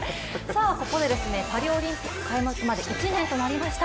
ここでパリオリンピック開幕まで１年となりました。